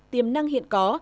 tiềm năng hiện có